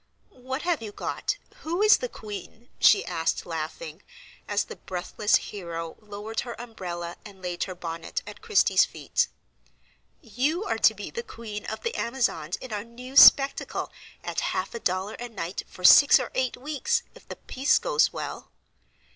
"What have you got? Who is the queen?" she asked, laughing, as the breathless hero lowered her umbrella, and laid her bonnet at Christie's feet. "You are to be the Queen of the Amazons in our new spectacle, at half a dollar a night for six or eight weeks, if the piece goes well."